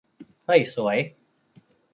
เฮ้ย สวย